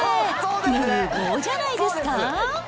無謀じゃないですか？